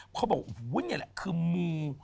เขาบอกว่าเนี่ยแหละคือมู